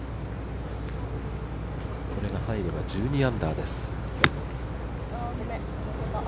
これが入れば１２アンダーです。